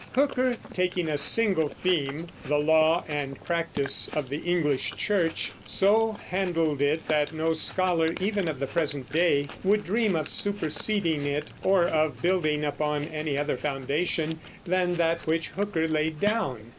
Hooker, taking a single theme, the law and practice of the English Church, so handled it that no scholar even of the present day would dream of superseding it or of building upon any other foundation than that which Hooker laid down.